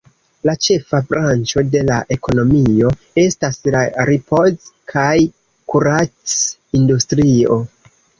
La ĉefa branĉo de la ekonomio estas la ripoz- kaj kurac-industrio.